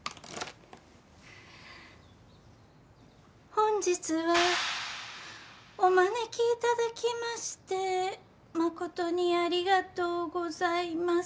本日はお招きいただきまして誠にありがとうございます。